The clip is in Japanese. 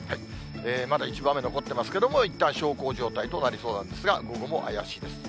まだ一部、雨残ってますけれども、いったん小康状態となりそうなんですが、午後も怪しいです。